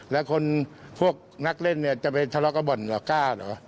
แล้วคนพวกนักเล่นเนี่ยจะไปทะเลาะกับบ่อนละก้าเหรอ